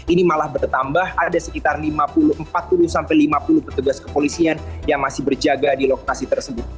ini malah bertambah ada sekitar empat puluh sampai lima puluh petugas kepolisian yang masih berjaga di lokasi tersebut